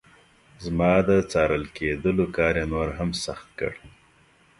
زما د څارل کېدلو کار یې نور هم سخت کړ.